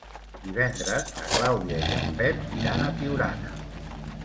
Divendres na Clàudia i en Pep iran a Tiurana.